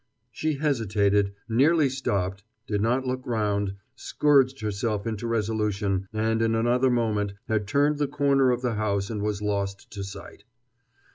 She hesitated, nearly stopped, did not look round, scourged herself into resolution, and in another moment had turned the corner of the house and was lost to sight.